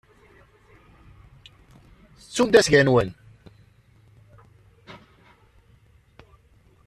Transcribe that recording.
Tettum-d asga-nwen.